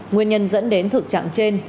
nguyên nhân dẫn đến thực trạng trên